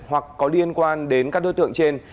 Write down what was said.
hoặc có liên quan đến các đối tượng trên